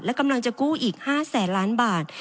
และกำลังจะกู้อีก๕แสนล้านบาท